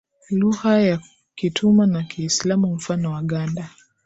lugha ya kitumwa na kiislamu mfano waganda